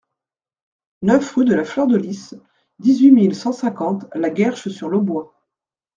neuf rue de la Fleur de Lys, dix-huit mille cent cinquante La Guerche-sur-l'Aubois